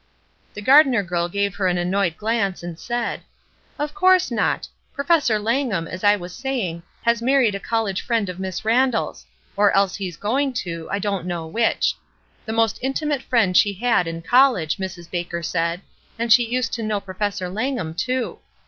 The Gardner girl gave her an annoyed glance and said :— "Of course not! Professor Langham, as I was saying, has married a college friend of Miss Randall's — or else he's going to, I don't know which; the most intimate friend she had in college, Mrs. Baker said, and she used to know Professor Langham, too.